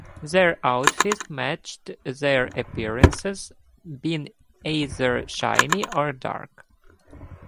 Their outfits matched their appearances, being either shiny or dark.